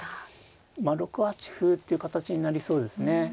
６八歩っていう形になりそうですね。